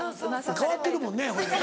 変わってるもんねほいで。